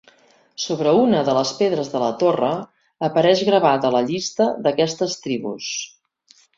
Sobre una de les pedres de la torre apareix gravada la llista d'aquestes tribus.